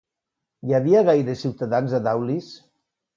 Hi havia gaires ciutadans a Daulis?